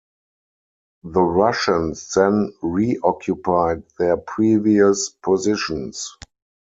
The Russians then reoccupied their previous positions.